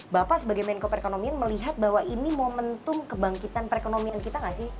bapak sebagai menko perekonomian melihat bahwa ini momentum kebangkitan perekonomian kita nggak sih